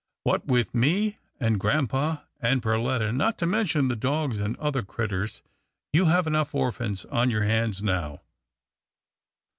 What with me, and grampa, and Perletta, not to mention the dogs and other critters, you have enough orphans on your hands now.